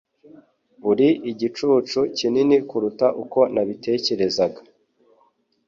Uri igicucu kinini kuruta uko nabitekerezaga.